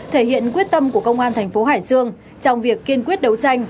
thể hiện quyết tâm của công an thành phố hải dương trong việc kiên quyết đấu tranh